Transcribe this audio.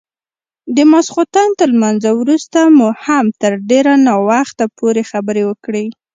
د ماخستن تر لمانځه وروسته مو هم تر ډېر ناوخته پورې خبرې وکړې.